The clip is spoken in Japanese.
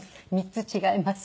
３つ違います。